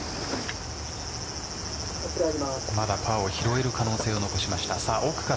まだ、パーを拾える可能性を残しました。